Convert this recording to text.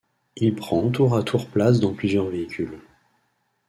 Il prend tour à tour place dans plusieurs véhicules.